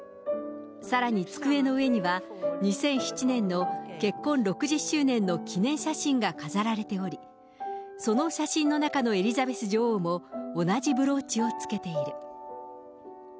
さらに机の上には２００７年の結婚６０周年の記念写真が飾られており、その写真の中のエリザベス女王も、同じブローチをつけている。